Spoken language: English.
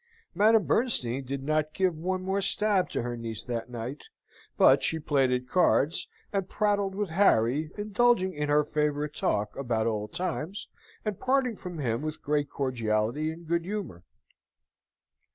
Madame Bernstein did not give one more stab to her niece that night: but she played at cards, and prattled with Harry, indulging in her favourite talk about old times, and parting from him with great cordiality and good humour.